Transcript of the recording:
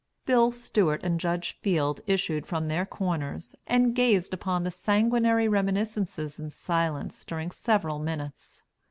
Bill Stewart and Judge Field issued from their corners and gazed upon the sanguinary reminiscences in silence during several minutes.